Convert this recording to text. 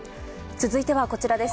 続いてはこちらです。